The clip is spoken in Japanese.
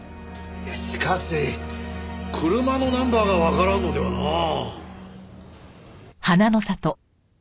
いやしかし車のナンバーがわからんのではなあ。